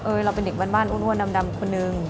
เราเป็นเด็กบ้านอ้วนดำคนนึง